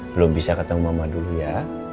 belum bisa ketemu mama dulu ya